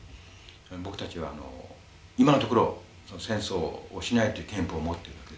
僕たちはあの今のところ戦争をしないという憲法を持ってるわけですからね。